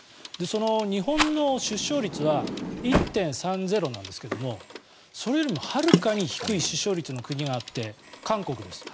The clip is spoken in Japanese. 日本の出生率は１．３０なんですけどもそれよりもはるかに低い出生率の国があって韓国です。